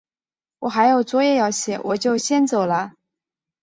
我还有作业要写，我就先走了。